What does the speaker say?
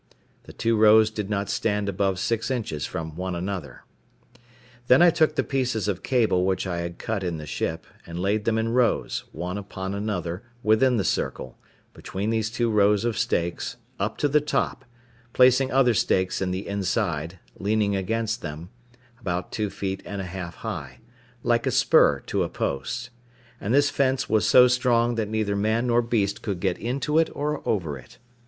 The two rows did not stand above six inches from one another. Then I took the pieces of cable which I had cut in the ship, and laid them in rows, one upon another, within the circle, between these two rows of stakes, up to the top, placing other stakes in the inside, leaning against them, about two feet and a half high, like a spur to a post; and this fence was so strong, that neither man nor beast could get into it or over it.